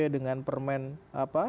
dengan permen apa